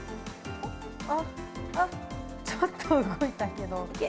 あっ、あ、ちょっと動いたけど。